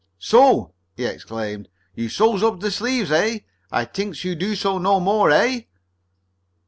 "So!" he exclaimed. "You sews up my sleeves, eh? I t'inks you don't do so no more! Eh?"